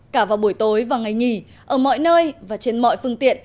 cả vào buổi tối và ngày nghỉ ở mọi nơi và trên mọi phương tiện